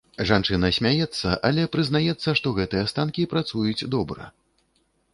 Жанчына смяецца, але прызнаецца, што гэтыя станкі працуюць добра.